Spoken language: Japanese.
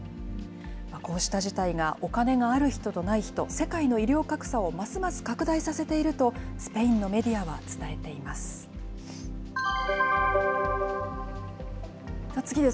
こうした事態がお金がある人とない人、世界の医療格差をますます拡大させていると、スペインのメディアは伝えています。